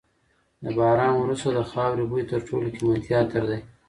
د باران وروسته د خاورې بوی تر ټولو قیمتي عطر دی.